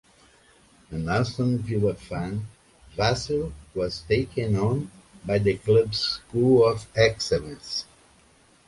An Aston Villa fan, Vassell was taken on by the club's School of Excellence.